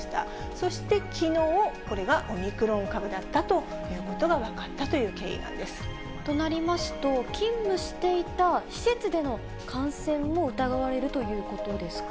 そしてきのう、これがオミクロン株だったということが分かったという経緯なんでとなりますと、勤務していた施設での感染も疑われるということですか？